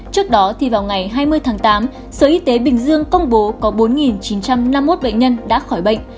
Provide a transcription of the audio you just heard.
trước đó thì vào ngày hai mươi tháng tám sở y tế bình dương công bố có bốn chín trăm năm mươi một bệnh nhân đã khỏi bệnh